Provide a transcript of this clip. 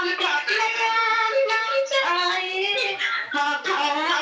พี่กิ่งแก้วขอบคุณมากนะคะ